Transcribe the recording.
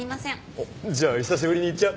おっじゃあ久しぶりに行っちゃう？